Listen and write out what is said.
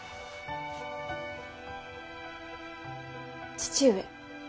父上。